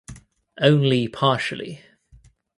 Only partially.